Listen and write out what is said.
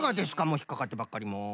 もうひっかかってばっかりもう。